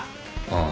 ああ。